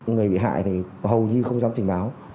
người bị hại thì hầu như không dám trình báo